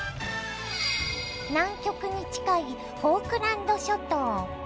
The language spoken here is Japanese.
南極に近いフォークランド諸島。